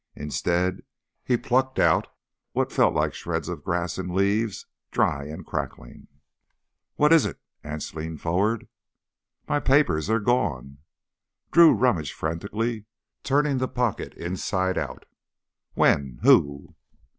Instead he plucked out what felt like shreds of grass and leaves, dry and crackling. "What is it?" Anse leaned forward. "My papers—they're gone!" Drew rummaged frantically, turning the pocket inside out. When—who?